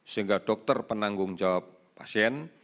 sehingga dokter penanggung jawab pasien